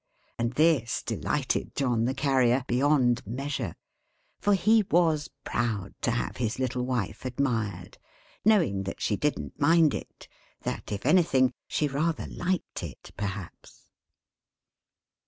And this delighted John the Carrier, beyond measure; for he was proud to have his little wife admired; knowing that she didn't mind it that, if anything, she rather liked it perhaps.